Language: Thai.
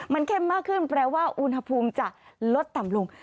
มันเข้มมากขึ้นแปลว่าอุณหภูมิจะลดต่ำลง